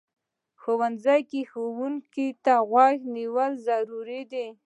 ښوونځی کې ښوونکي ته غوږ نیول ضروري دي